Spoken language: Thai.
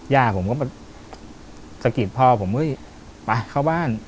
ย่าผมก็มาสกิดพ่อผมไปเข้าบ้าน